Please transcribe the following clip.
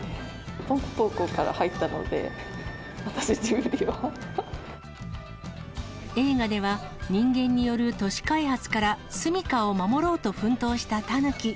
ぽんぽこから入ったので、映画では、人間による都市開発から住みかを守ろうと奮闘したタヌキ。